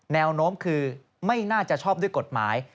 แนวโน้มคือไม่น่าจะชอบด้วยกฎหมาย